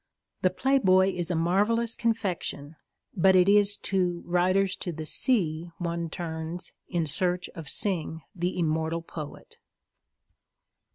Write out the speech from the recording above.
The Playboy is a marvellous confection, but it is to Riders to the Sea one turns in search of Synge the immortal poet.